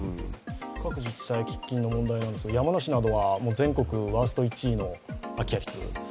各自治体喫緊の問題がありますが山梨などは全国ワースト１位の空き家率。